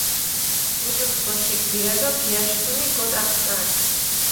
გეჭოფუ ბოშიქ გირა დო გიაშქუნი, გოტახუ კარი.